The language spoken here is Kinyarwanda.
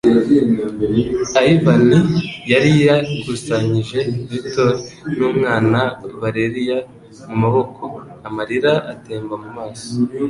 Ivan yari yakusanyije Viktor n'umwana Valeria mu maboko; amarira atemba mu maso